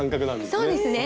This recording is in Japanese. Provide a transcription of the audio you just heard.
そうですね。